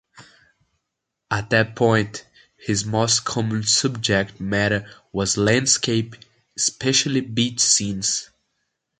At that point, his most common subject matter was landscapes, especially beach scenes.